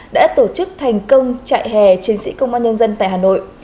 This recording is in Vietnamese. đã tổ chức thành công trại hè chiến sĩ công an nhân dân tại hà nội